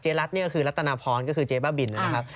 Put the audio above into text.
รัฐเนี่ยก็คือรัตนาพรก็คือเจ๊บ้าบินนะครับ